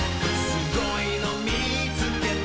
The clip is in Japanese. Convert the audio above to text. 「すごいのみつけた」